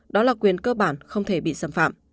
đó là quyền cơ bản không thể bị xâm phạm